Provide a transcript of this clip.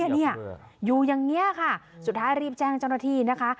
นี่อยู่อย่างเงี้ยค่ะสุดท้ายรีบแจ้งจรฐีนะคะ